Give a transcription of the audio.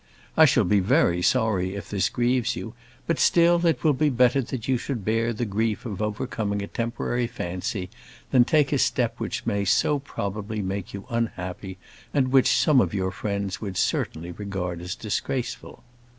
I shall be very sorry if this grieves you; but still it will be better that you should bear the grief of overcoming a temporary fancy, than take a step which may so probably make you unhappy; and which some of your friends would certainly regard as disgraceful.